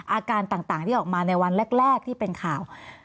อาการต่างที่ออกมาในวันแรกที่เป็นข่าว